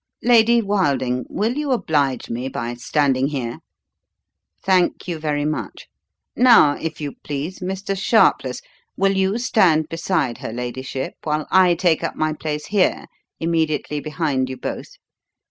"Lady Wilding, will you oblige me by standing here? Thank you very much. Now, if you please, Mr. Sharpless, will you stand beside her ladyship while I take up my place here immediately behind you both?